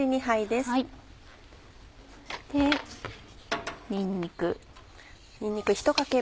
そしてにんにく。